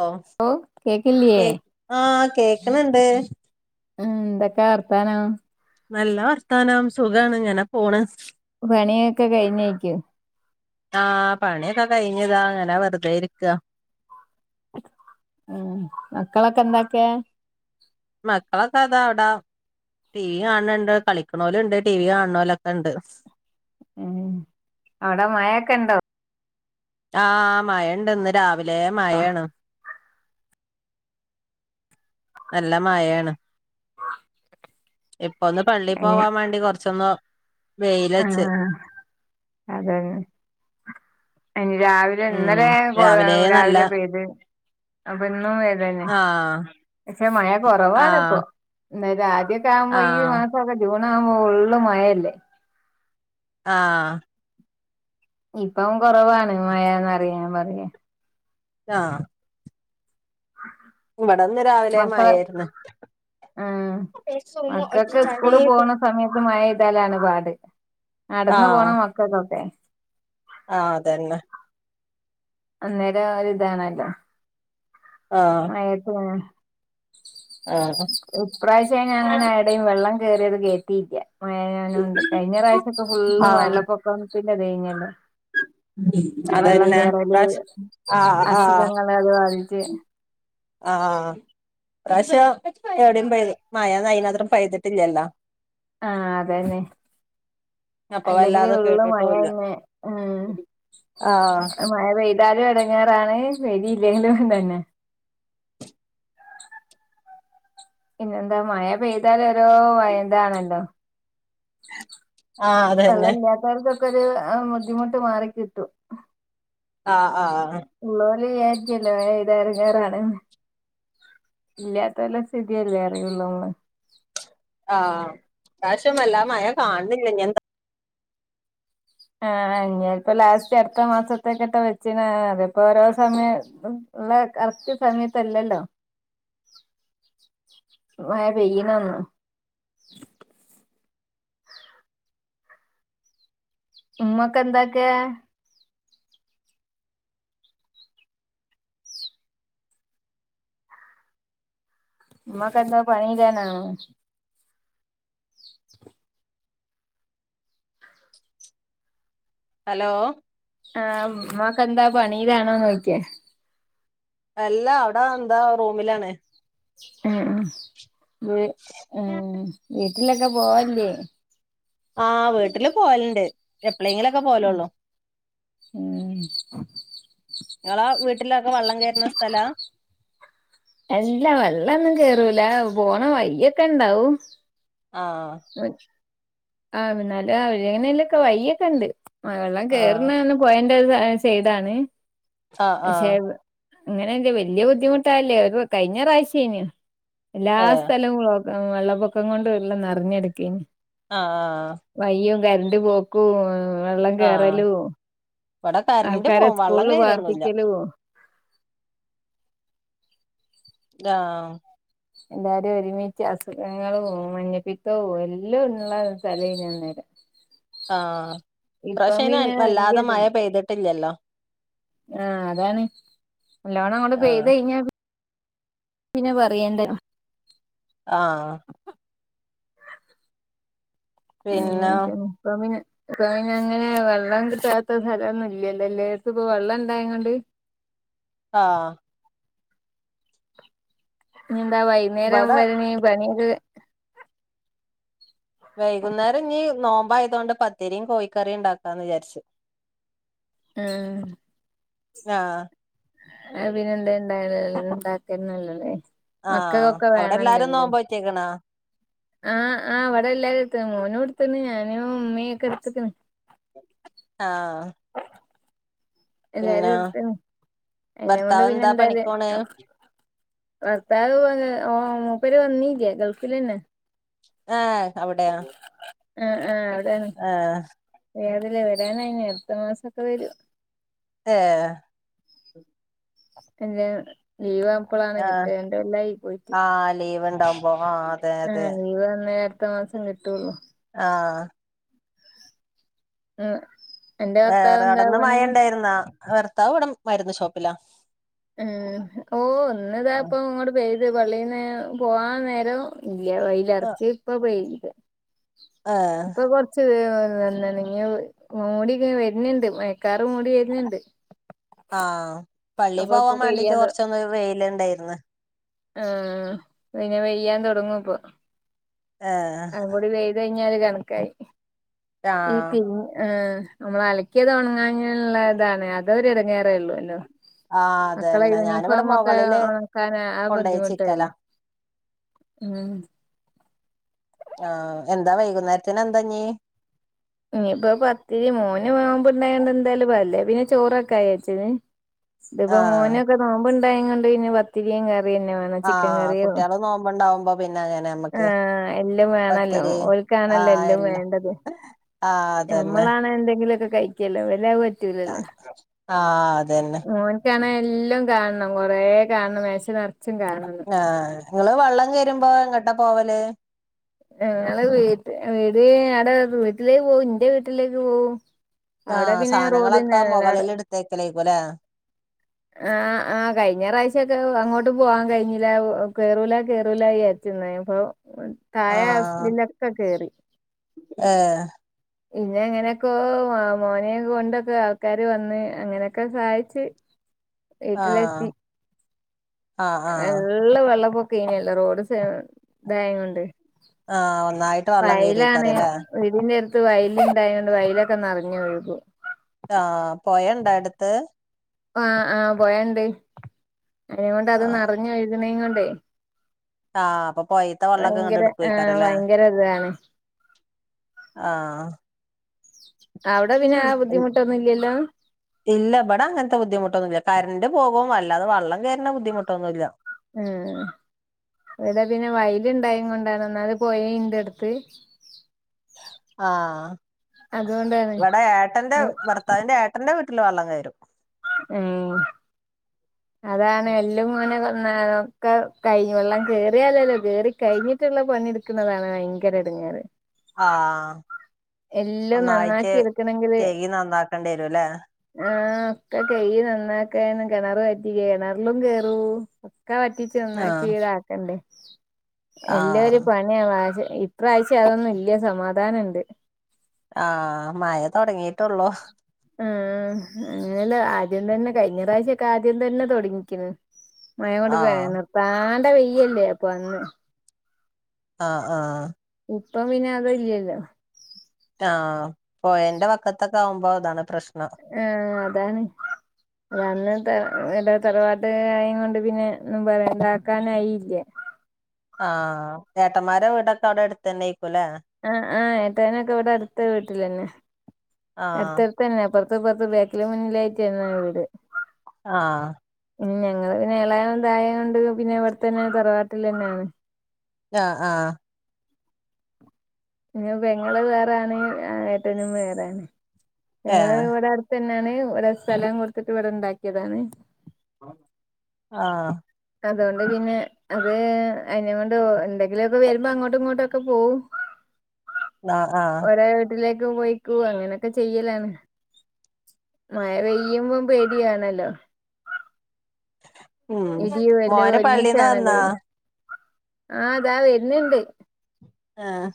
ഓ ഓഹ് കേക്കില്ലേ? കേ ആഹ് കേക്കണുണ്ട്. ഉം എന്തൊക്കെ വർത്താനം? നല്ല വർത്താനം സുഖാണ് ഇങ്ങനെ പോണ്. പണിയൊക്കെ കഴിഞ്ഞായിരിക്കും. ആഹ് പണിയൊക്കെ കഴിഞതാ അങ്ങനെ വെറുതെ ഇരിക്ക. ഉം മക്കളൊക്കെ എന്തൊക്കെയാ. മക്കളൊക്കെ അതാ അവിടാ ടി വി കാണണണ്ട് കളിക്കണോലും ഉണ്ട് ടി വി കാൺണോലൊക്കെണ്ട് ഉം അവിടെ മഴൊക്കെ ഉണ്ടോ. ആഹ് മഴണ്ട് ഇന്ന് രാവിലെ മയേണ്. നല്ല മയേണ്. ഇപ്പൊന്ന് പള്ളി ഉം പോവാൻ വേണ്ടി കൊറച്ചൊന്ന് വെയില് വെച്ച്. ആഹ് അതന്നെ ഇനി രാവിലെ ഉം ഇന്നലെ രാവിലെ നല്ല രാവിലെ പെയ്ത് അപ്പൊ ഇന്നും പെയ്തന്നെ. ആഹ്. പക്ഷെ മഴ കൊറവാണ് ആഹ് ഇപ്പൊ. എന്നര് ആദ്യൊക്കെ ആവുമ്പോ ഈ ആഹ് മാസൊക്കെ ജൂൺ ആകുമ്പോ ഫുള്ള് മഴല്ലേ. ആഹ്. ഇപ്പം കൊറവാണ് മഴന്നറിയാൻ പറയ. ആഹ്. ആഹ്. ഇവിടെന്ന് രാവിലെ മയേര്ന്ന്. ഉം മക്കക്ക് സ്കൂളി പോണ സമയത്ത് മഴ പെയ്താലാണ് പാട്. നടന്ന് പോണ ആഹ് മക്കക്കൊക്കെ ആഹ് അതന്നെ അന്നേരം ഒരിതാണല്ലോ ആഹ് മഴയത്തെയ്. ആഹ് ഇപ്രാവശ്യം ഞാൻ അങ്ങനെ ഏടയും വെള്ളം കേറിയത് കേട്ടില്ല. മയ ആ യോണ്ട് കഴിഞ്ഞ പ്രാവശ്യക്കെ ഫുള്ള് ആഹ് വെള്ളപ്പൊക്കത്തിന്റെ ഇതേനല്ലേ അതന്നെ ഇപ്രാവശ്യംആഹ് ആഹ് ഞങ്ങളെ അത് ബാധിച്ച് ആഹ് ഇ പ്രാവശ്യ എവിടയും മയഅയ്നാ മാത്തരം പെയ്തിട്ടില്ലല്ലോ. ആഹ്അതന്നെ. അപ്പൊ അല്ലെങ്കില് വല്ലാതെ ഫുള് കേട്ടിട്ടുല്ല മഴന്നെ ഉ ആഹ് മഴ പെയ്താലും എടങ്ങാറാണ് പെയ്തില്ലേലും തന്നെ പിന്നെ എന്താ മഴ പെയ്താൽ ഓരോ എന്താണല്ലോ ആഹ് അതന്നെ വെള്ളല്ലാത്താർക്കൊക്കെ ഒരു ബുദ്ധിമുട്ട് മാറി കിട്ടും ആഹ് ആഹ്. ഉള്ളോര് വിചാരിക്കോല്ലോ മഴപെയ്താ എടങ്ങേറാണ്. ഇല്ലാത്ത ഓല സ്ഥിതിയല്ലേ അറിയുള്ളൂ നമ്മള് ആഹ് ഇപ്രവശ്യം വല്ലാതെ മഴ കാണില്ല ഇനി ന്താ ആഹ് നിപ്പ ലാസ്റ്റ് അടുത്ത മാസത്തക്ക ഇട് വെച്ച അതിപ്പോ ഓരോ സമയം. ഉള്ള കറക്ട് സമയത്തല്ലല്ലോ. അം മഴ പെയ്യണ ഒന്നും ഉമ്മക്ക് എന്താക്ക ഉമ്മാക്കെന്താ പണിയല്ലാന്നാണോ ഹലോ ആ ഉമ്മക്ക്ന്താ പണിയിലാണോ ചോയിച്ചെ അല്ലാ അവിടെ എന്താ റൂമിലാണ് ഉ ഉ ഉ വീ വീട്ടിലൊക്കെ പോവല്ലേ ആഹ് വീട്ടില് പോവലുണ്ട് എപ്പോഴെങ്കിലുംക്കെ പോവലുള്ളൂ ഉം ങ്ങളാ വീട്ടിലൊക്കെ വള്ളം കയറുന്ന സ്ഥലാ അല്ലാ വെള്ളൊന്നും കേറൂല പോണ വയ്യൊക്കെ ഇണ്ടാവും ആഹ് ആ പിന്നാല അവങ്ങനെല്ലൊക്കെ വയ്യൊക്കെ ണ്ട് മയള്ളം ആഹ് കേറുന്ന പോയന്റത് ആഹ് സൈഡാണ്പക്ഷെ ആഹ് അങ്ങനെങ്ങ് വല്യ ബുദ്ധിമുട്ടവല്യ ഒരു കഴിഞ്ഞ പ്രാവശ്യനു എല്ലാ ഏഹ് സ്ഥലവും വെള്ളപ്പൊക്കം കൊണ്ട് വല്ലാം നർഞ്ഞെടുക്കന് ആഹ് ആഹ് വയ്യോ കര്ന്റ് പോക്കും വെള്ളം ആഹ് കേറലൂ ഇവിടെ കരണ്ട് ആൾക്കാരെ പോവും വള്ളം സ്കൂൾല് കയറൊന്നുല്ല പാർപ്പിക്കലു ദാഹ് എല്ലാരും ഒരുമിച്ച് അസുഖങ്ങളും മഞ്ഞപ്പിത്തവും എല്ലുള്ള സ്ഥലനു അന്ന്. ആഹ് ഈ പ്രാശേന പിന്നെ വല്ലാതെ വല്യത് മഴ പെയ്തിട്ടില്ലല്ലോ ആ അതാണ് നല്ലോണങ്ങോടെ ആഹ് പെയ്ത് കയിഞ്ഞ പിന്നെ പറയണ്ടഞ് ആഹ് പിന്നെ അങ്നെയായിട്ട് ഉപ്പപിന്നെ ഇപ്പൊ പിന്നെ അങ്ങനെ വെള്ളം കിട്ടാത്ത സ്ഥലൊന്നും ഇല്ലല്ലോ എല്ലേട്ത് ഇപ്പ വെള്ളം ഇണ്ടായേകൊണ്ട് ആഹ് ഞ്ന്താ വൈന്നേരം ഇവിടെ വരണീ പണിയൊക്കെ വൈകുന്നേരം ഞ്ഞി നോമ്പ ആയതോണ്ട് പത്തിരിയും കോഴിക്കറിയുംണ്ടാക്കാന്ന് വിചാരിച്ചു ആഹ് ആഹ് അപിനന്ദനണ്ടായത് ഉണ്ടാക്കന്നല്ലല്ലേ ആഹ് മക്കൾക്കൊക്കെ അവിടെ എല്ലാരും വേണല്ലല്ലോ നോമ്പ് വെച്ചേ ക്ക ണ ആഹ് ആഹ് ഇവടെ എല്ലാരുംത്ണ് മോനുംട്ത്ത്ണ് ഞാനും ഉമ്മീ ഒക്ക എടുത്ക്ണ്. ആഹ് പിന്നെ എല്ലാരുട്ത്ണ് അയ്നെ കൊണ്ട് ഭർത്താവ് പിന്നെ എന്താ എന്തായാല പണിക്കോണ് ഭർത്താവ് മുപ്പേര് വന്നീല്ല ഗൾഫിലെന്നെ ഏഹ് അവിടെയാ ആഹ് ആഹ് അവിടേണ് ഏഹ് വേതില്ലെ വരാനായിന് അടുത്ത മാസൊക്കെ വരും. ഏഹ് ഹസ്ബന്റ് ലീവ് അപ്പളാണ് കിട്ട ആഹ് രണ്ട് കൊല്ലായി പോയിട്ട്. ആഹ് ലീവ് ഇണ്ടാവും. പോമാർ ആഹ് ലീവ് അന്നെ അടുത്ത മാസം കിട്ടൊള്ളു. ആഹ് ഉം. വേറെ അവിടന്ന് മഴ ഇണ്ടാരുന്നൊ വർത്താവ് ഇവട മരുന്ന് ഷോപ്പ്ലാ. ഉം ഓഹ് ഒന്ന്താപ്പൊ ഇങ്ങോട്ട് പെയ്ത് പള്ളീന്ന് പോവാൻ നേരം ഇല്ല വൈലെർച്ച് ഇപ്പ പെയ്യ്ൺണ്ട്. ആഹ് ഇപ്പൊ കൊർച്ച് ഏഹ് എന്താ നിങ്ങ മൂടിങ്ങനെ വെര്ന്ണ്ട് മയക്കാറ് മൂടി വെര്ന്ണ്ട്. ആഹ് പള്ളി പോവാൻ ഇപ്പൊ വാണ്ടീട്ട് പെയ്യാൻ തൊ കൊർച്ചൊന്ന് വെയില്ണ്ടായ്ര്ന്ന്. ആഹ് പിന്നെ പെയ്യൻ തൊടങ്ങുപ്പൊ. ഏ അതും കൂടി വെയ്ത് കഴിഞ്ഞാല് കണക്കായി. ആ ഈ തിം ആഹ് ഞമ്മള് അലക്കിയത് ഒണങ്ങാന്ള്ളതാണ് അതൊര് എടങ്ങേറൊള്ളു അല്ലൊ. ആ മക്കളെ അതന്നെ ഞാനിവിടെ യൂണിഫോമൊക്കാ മുകളില് ഒണക്കാന് ആ ബുദ്ധിമുട്ടെ കൊണ്ടോയിച്ചിക്കലാ ഉള്ളു. ഉം ആഹ് എന്ത വൈകുന്നേരത്തിന് എന്താ ഞി ഇഞിപ്പൊ പത്തിരി മോന് നോമ്പ്ണ്ടായോണ്ട് എന്തായാലും അല്ലെ പിന്നെ ചോറൊക്ക ജാര്ച്ചീന്. ആ ഇതിപ്പൊ മോനൊക്ക നോമ്പ് ഇണ്ടായി കൊണ്ട് പിന്നെ പത്തിരിം കറിന്നെ വേ അ ആ ചിക്കൻ കറീം കുട്ടികള് നോമ്പുണ്ടാവുമ്പോ പിന്നെ അങ്ങനെ നമ്മക്ക് ആഹ്. യെല്ലവും വേണല്ലൊ പത്തിരി ഓൽ.. ആ ക്കാണല്ലൊ എല്ലവും എല്ലാം വേണ്ടത്.. ആ അതന്നെ ഞമ്മളാണെ എന്തെങ്കിലൊക്ക കഴിക്കല്ലൊ ഇവൻ അത് പറ്റുലല്ലൊ. ആ അതന്നെ മോൻ. കാണെ എല്ലൊം കാൺണം കൊറേ കാൺണം മേശ നെറ്ച്ചും കാൺണം. ആഹ് ഇങ്ങള് വള്ളം കേരുമ്പോ എങ്ങ്ട്ടാ പോവല്. ഞങള് വീട്ട് വീട് ആടെ. വീട്ടിലേക്ക് പോവും ഇന്റെ വീട്ടിലേക്ക് പോവും.. അവിടെ ആഹ് പിന്നെ സാനങ്ങളൊക്ക റോഡിനാണല്ലോ മുകളിൽ ഇടുത്തേക്കലേക്കുലെ. ആഹ് ആഹ് കഴിഞ്ഞ പ്രാശ്യക്കെ അങ്ങോട്ട് പൂവ കഴ്ഞ്ഞില.. കേറൂല കേറൂലാ വിജാരിച്ച്ന്നെപ്പോ.. തായെ ആഹ് അസ്നിനൊക്ക കേറി.. പിന്ന എങ്ങനെക്കോ മോനെ കൊണ്ടക്ക ആൾക്കാര് വന്ന് അങ്ങനൊക്ക സഹായിച്ച്.. വീട്ടിലെ ആഹ് എത്തി. ആഹ് ആഹ് നല്ല വെള്ളപൊക്കേനു അല്ലൊ റോഡ് സെ ദായെകൊണ്ട്. ആഹ്. ഒന്നായിട്ട്. വള്ളം കേറെക്കാരംലെ. ന്നേരത്ത് വയല് ഇണ്ടായോണ്ട് വയലൊക്കെ നെറഞ്ഞൊഴുകും.. ആഹ് പൊഴണ്ട അട്ത്ത്.. ആഹ് ആഹ് പൊഴണ്ട്. അയ്നീ കൊണ്ട് അത് ആഹ് നെറഞ്ഞൊഴ്ക്ണീ കൊണ്ടെ. ആഹ് അപ്പൊ പൊയീത്തെ വള്ളൊക്ക ഇങ്ങ്ട്ട് ആഹ് ഇടുക്ക്വോക്കാരംലെ. ഭയങ്കര ഇതാണ് ആഹ്. അവടെ പിന്നെ ആ ബുദ്ധിമുട്ടൊന്നു ഇല്ല്യല്ലോ. ഇല്ല ഇബടെ അങ്ങൻത്തെ ബുദ്ധിമുട്ടൊന്നു ഇല്ല കറണ്ട്റ് പോകും അല്ലാതെ വള്ളം കെര്ണ ബുദ്ധിമുട്ടൊന്നുല്ല.. ആഹ്.. എവിട പിന്നെ വയല് ഇണ്ടായും കൊണ്ടാണ് എന്നല് പോയിണ്ട അടുത്ത്.. ആഹ അതുകൊണ്ടാണ് ഇവടെ ഏട്ടന്റെ വർ. താവിന്റെ. ഏട്ടൻന്റെ വീട്ടില് വള്ളം കേറും. മ്മ്ഹ്. അതാണ് എല്ലും ങ്ങനെ ന്നേ.. ക. കയിഞ്ഞ് വെള്ളം കേറിയാലല്ല കേറി കഴിഞ്ഞിട്ടുള്ള പണി ടുക്കുന്നതാണ് ഭയങ്കര എടങ്ങാറ്.. ആഹ എല്ലും ഒന്നായിറ്റ് നന്നാക്കി കേഴ്കി നന്നാക്കേണ്ടിരു ല്ലേ. ആഹ ഒക്കെ കെയികി നന്നാക്കന്ന് കെ ണർവറ്റി കെണർലും കേറും ഒക്ക ആഹ് വറ്റിച്ച്ന്നാക്കിതാക്കണ്ടേ ആഹ് എല്ലരും പ യിന്നമാഷ്. ഇപ്രാവശ്യ അതൊന്നും ഇ ല്യ സമാധാനണ്ട്. ആഹ മയ തൊടങ്ങിട്ടൊള്ളൂ.. ആ ആ. അങ്ങനെയല്ല ആദ്യം തന്നെ കഴിഞ്ഞ പ്രാശ്യൊക്കെ ആദ്യം തന്നെ തൊടങ്ങിക്ണി. മയകൊണ്ട് ആഹ് വെണർ നിർത്താണ്ട വെയ്യല്ലേ അപ്പൊ അന്ന്.. ആ ആഹ.. ഉപ്പം പിന്നെ അത് ഇല്ല്യല്ലോ. ആഹ പോയന്റെ വക്കത്തൊക്കവുബോ ഇതാണ് പ്രശ്നം. ആആ. അതാണ്.. അ അന്ന് ഇട തറവാട്ട്കായും കൊണ്ട് പിന്നെ ഒന്നും പറ ക്കാനായില്ലേ. ആഹ ഏട്ടന്മാരെ വീടൊക്കെ അവിടെ അടുത്തന്നെ യെകുലെ. ആ ആഹ് ഏട്ടനൊക്കെ ഇവിടെ അടുത്ത വീട്ടിലന്നെ ആഹ് അടുത്തഡ്‌. തന്നെ അപ്പറത്ത്പ്പറത്ത് ബേക്കിലും മുന്നില ആയിട്ടെയിരുന്നു വീട്. ആഹ. ഇനി ഞങ്ങള് പിന്നെ എളെയും തായ കൊണ്ട് പിന്നെ ഇവിടെത്തന്നെ തറവാട്ടിലെന്നെണ്.. ആ ആഹ. ഇങ്ങള് പെങ്ങൾ വേറെണ് ഏട്ടനും വേറേണ് ഞങ്ങള് ഏഹ് ഇവിടെട് തന്നെണ് ഇവിടെ സ്ഥലം കൊടുത്തിട്ട് ഇവിടെണ്ടാക്കിയതാണ്. ആം. ആഹആ. അതുകൊണ്ട് പിന്നെ അത് അയിനെകൊണ്ട് എന്തെങ്കിലുമൊക്കെ വരുമ്പോ അങ്ങോട്ടും ഇങ്ങോട്ടുംക്കെ പോവും ആഹ് ആഹ് ഒര വീട്ടിലേക്ക് പോയിക്ക അങ്ങനെയൊക്കെ ചെയ്യലാണ് മഴ പെയ്യുമ്പോം പേടിയാണല്ലോ ഉം ഇടിയോ എല്ലോ മോന് പള്ളീന്ന് വന്നാ ഒരുമിച്ചാണല്ലോ ആ അതാ വരുന്നുണ്ട് ആ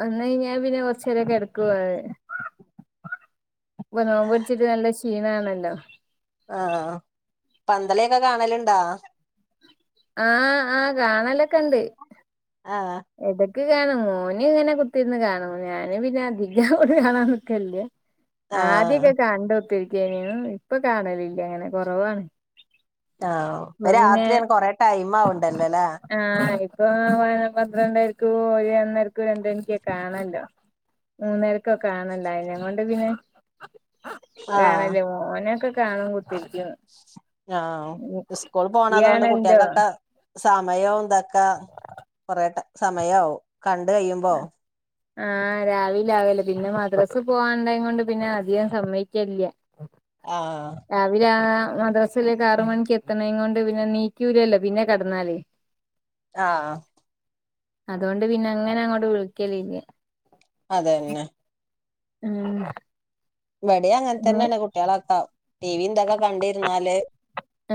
വന്ന് കഴിഞ്ഞ പിന്നെ കൊറച്ചരക്കെ കിടക്കോ ഇപ്പൊ നോമ്പ് പിടിച്ചിട്ട് നല്ല ക്ഷീണമാണല്ലോ ആ പന്തളി ഓക്കേ കാണലുണ്ടോ ആ ആ കാണലൊക്കെ ഉണ്ട് ആ ഇടക്കൊക്കെ കാണും ഓൻ ഇങ്ങനെ കുത്തിന്ന് കാണുന്നു ഞാന് പിന്നെ അധികം കാണാൻ നിക്കലില്ല ആഹ് ആദ്യൊക്കെ കണ്ട് കുത്തിരിക്കെനിം ഇപ്പൊ കാണലില്ല അങ്ങനെ കൊറവാണ് ആ ഇപ്പോ ഇപ്പൊ രാത്രിയണ് കൊറെേ ടൈം ആവണ്ടല്ലോ അല്ലേ ആ ഇപ്പൊ വ പന്ത്രണ്ടരക്ക് പോയ ഒന്നരക്കും രണ്ട് മണികൊക്കെ കാണല്ലോ മൂന്നേരക്കൊക്കെ കാണല്ലോ അയിന് കൊണ്ട് പിന്നെ ആഹ് കാണൽ മോനൊക്കെ കാണും കുത്തിരിക്ക ആ സ്കൂൾ പോണതുകൊണ്ട് കാണലുണ്ടോ കുട്ടികൾക്കൊക്കെ സമയവും ഇന്തൊക്കെ കൊറെേ സമയാവും കണ്ട് കഴിയുമ്പോ ആ രാവില ആകല്ലേ പിന്നെ മദ്രാസ് പോവാണ്ടായ കൊണ്ട് പിന്നെ അധികം സമ്മയ്ക്കലില്ല ആ രാവിലെ ആ മദ്രാസയിലേക്ക് ആറ് മണിക്ക് എത്തണെകൊണ്ട് പിന്നെ നീക്കൂലല്ലോ പിന്നെ കടന്നാല് ആഹ അതുകൊണ്ട് പിന്നെ അങ്ങനെ അങ്ങോട്ട് വിളിക്കലില്ല അതെന്നെ ഉം ഇവിടെ അങ്ങനെ ഇനി തന്നെയാണ് കുട്ടികളൊക്കെ ടി വി ഇന്തൊക്കെ കണ്ടിരുന്നാല്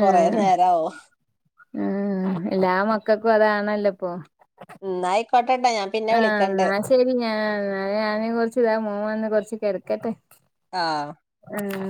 കൊറനേരവോ ആഹ് എല്ലാ മക്കൾക്കും അതാണല്ലോ ഇപ്പൊ ഇന്നാ ആയിക്കോട്ടേട്ടാ ഞാ ആഹ് ന്നാ ശരി ഞാ ഞാന കുറച്ച് ഇതാ മോൻവന്ന് കുറച്ച് കിടക്കട്ടെ ആഹ ഏഹ്